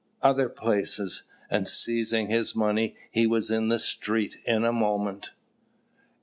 other places; and seizing his money, he was in the street in a moment.